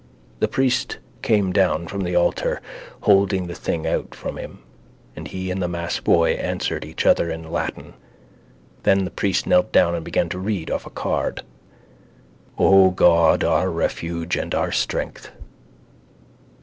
The priest came down from the altar, holding the thing out from him, and he and the massboy answered each other in Latin. Then the priest knelt down and began to read off a card: —O God, our refuge and our strength...